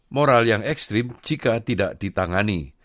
moral yang ekstrim jika tidak ditangani